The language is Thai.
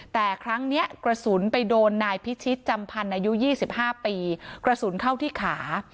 แต่ครั้งนี้กระสุนไปโดนนายพิชิตจำพันธ์อายุ๒๕ปีกระสุนเข้าที่ขา